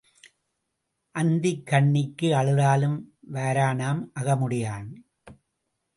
அந்திக் கண்ணிக்கு அழுதாலும் வரானாம் அகமுடையான்.